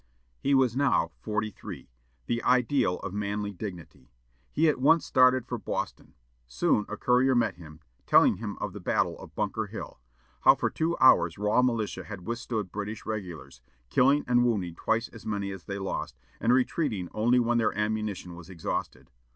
He was now forty three; the ideal of manly dignity. He at once started for Boston. Soon a courier met him, telling him of the battle of Bunker Hill how for two hours raw militia had withstood British regulars, killing and wounding twice as many as they lost, and retreating only when their ammunition was exhausted.